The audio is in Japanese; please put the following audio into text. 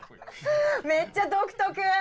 めっちゃどくとく！